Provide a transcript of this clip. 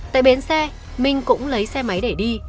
tại bến xe minh cũng lấy xe máy để đi